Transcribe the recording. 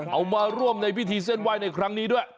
เอามาร่วมในพิธีเส้นไหว้ในครั้งนี้ด้วย